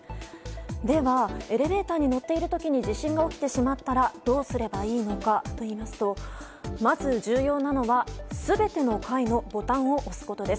ではエレベーターに乗っている時地震が来てしまったらどうすればいいのかといいますとまず重要なのが全ての階のボタンを押すことです。